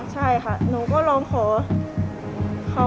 ใช่ค่ะหนูก็ร้องขอ